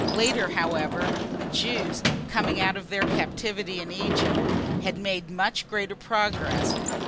Later, however, the Jews, coming out of their captivity in Egypt, had made much greater progress.